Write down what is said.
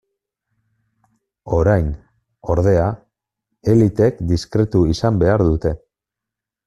Orain, ordea, eliteek diskretu izan behar dute.